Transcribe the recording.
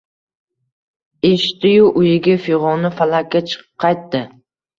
Eshitdi-yu, uyiga fig`oni falakka chiqib qaytdi